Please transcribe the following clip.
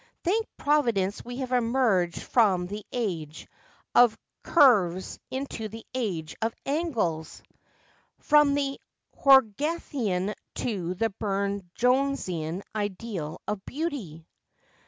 ' Thank Providence we have emerged from the age 332 Asphodel. of curves into the age of angles — from the Hogarthian to the Burne Jonesian ideal of beauty.'